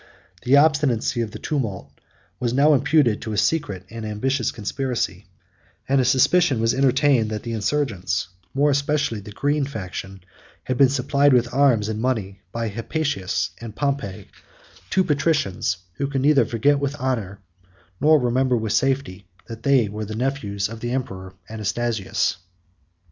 The obstinacy of the tumult was now imputed to a secret and ambitious conspiracy, and a suspicion was entertained, that the insurgents, more especially the green faction, had been supplied with arms and money by Hypatius and Pompey, two patricians, who could neither forget with honor, nor remember with safety, that they were the nephews of the emperor Anastasius.